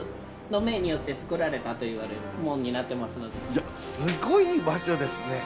いやすごい場所ですね。